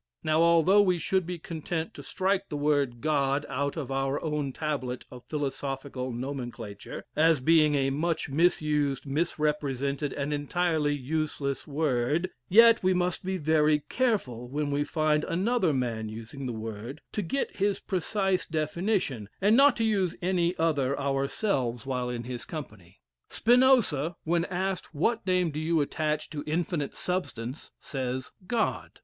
Now, although we should be content to strike the word "God" out of our own tablet of philosophical nomenclature, as being a much misused, misrepresented, and entirely useless word, yet we must be very careful, when we find another man using the word, to get his precise definition, and not to use any other ourselves while in his company. Spinoza, when asked "What name do you attach to infinite substance?" says, "God."